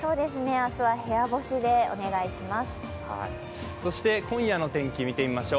明日は部屋干しでお願いします。